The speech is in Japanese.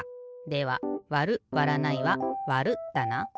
ではわるわらないはわるだな。